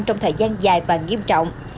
trong thời gian dài và nghiêm trọng